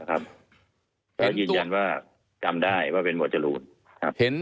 แล้วยืนยันว่าก้มได้ว่าเป็นหมัวจรุน